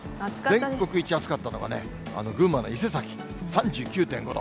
全国一暑かったのがね、群馬の伊勢崎３９．５度。